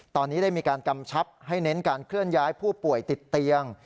ตอนนี้ได้มีการกำชับให้เน้นการเคลื่อนย้ายผู้ป่วยติดเตียง